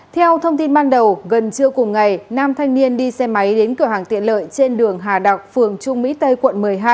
theo thông tin ban đầu gần trưa cùng ngày nam thanh niên đi xe máy đến cửa hàng tiện lợi trên đường hà đặc phường trung mỹ tây quận một mươi hai